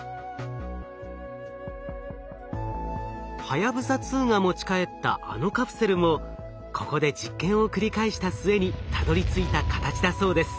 はやぶさ２が持ち帰ったあのカプセルもここで実験を繰り返した末にたどりついた形だそうです。